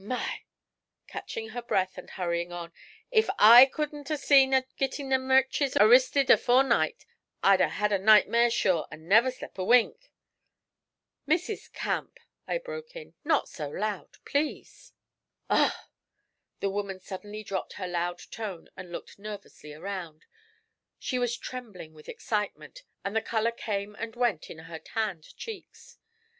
My!' catching her breath and hurrying on; 'if I couldn't 'a' seen to gittin' them wretches arristed afore night, I'd 'a' had a nightmare sure, an' never slep' a wink!' 'Mrs. Camp,' I broke in, 'not so loud, please.' 'Ugh!' The woman suddenly dropped her loud tone and looked nervously around. She was trembling with excitement, and the colour came and went in her tanned cheeks.